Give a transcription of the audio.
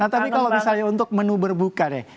tapi kalau misalnya untuk menu berbuka deh